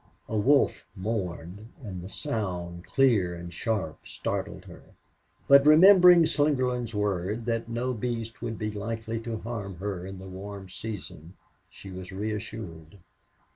A wolf mourned, and the sound, clear and sharp, startled her. But remembering Slingerland's word that no beast would be likely to harm her in the warm season, she was reassured.